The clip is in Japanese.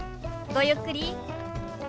ごゆっくり。